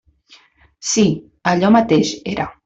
Sí; allò mateix era.